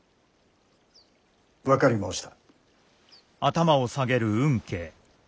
分かり申した。